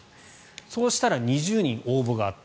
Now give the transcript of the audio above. そうしたら２０人応募があった。